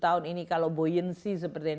tahun ini kalau boyensi seperti yang